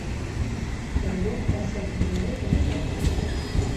El duc va ser el primer en atacar.